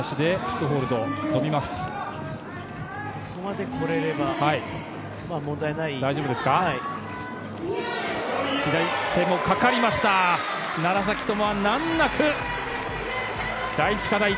ここまで来れれば問題ない。